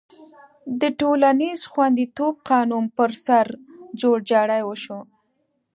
د ټولنیز خوندیتوب قانون پر سر جوړجاړی وشو.